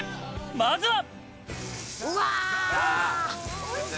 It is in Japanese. まずは。